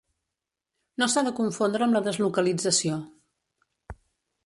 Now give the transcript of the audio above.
No s'ha de confondre amb la deslocalització.